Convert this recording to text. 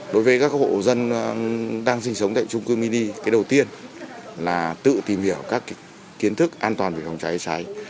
đối với các hộ dân đang sinh sống tại trung cư mini cái đầu tiên là tự tìm hiểu các kiến thức an toàn về phòng cháy cháy